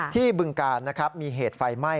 ที่บึงการมีเหตุไฟไหม้